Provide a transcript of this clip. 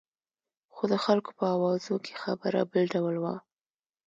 خو د خلکو په اوازو کې خبره بل ډول وه.